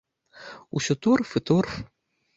Усё торф і торф.